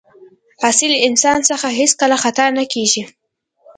اصیل انسان څخه هېڅکله خطا نه کېږي.